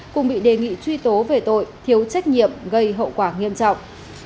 cùng bị đề nghị truy tố về tội thiếu trách nhiệm gây hậu quả nghiêm trọng